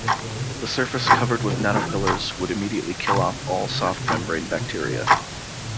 A surface covered with nanopillars would immediately kill off all soft membrane bacteria.